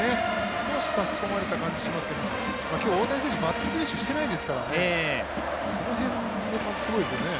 少し差し込まれた感じがしますけど、今日、大谷選手バッティング練習してないですからね、その辺もすごいですよね。